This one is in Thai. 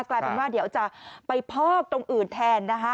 กลายเป็นว่าเดี๋ยวจะไปพอกตรงอื่นแทนนะคะ